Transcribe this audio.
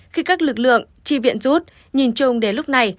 khi các lực lượng tri viện rút nhìn chung đến lúc này